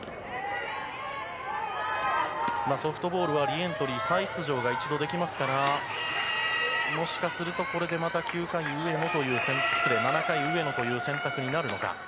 ソフトボールはリエントリー再出場が一度できますからもしかすると、これで７回上野という選択になるのか。